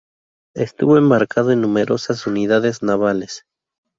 Estuvo embarcado en numerosas unidades navales.